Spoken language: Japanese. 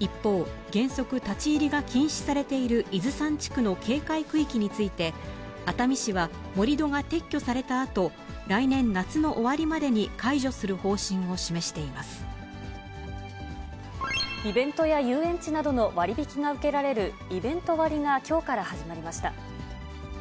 一方、原則立ち入りが禁止されている伊豆山地区の警戒区域について、熱海市は盛り土が撤去されたあと、来年夏の終わりまでに解除する方イベントや遊園地などの割引が受けられるイベント割がきょうから始まりました。